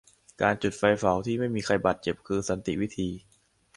การจุดไฟเผาที่ไม่มีใครบาดเจ็บ คือสันติวิธี